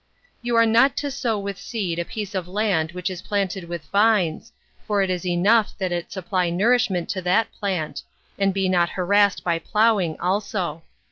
20. You are not to sow with seed a piece of land which is planted with vines, for it is enough that it supply nourishment to that plant, and be not harassed by ploughing also.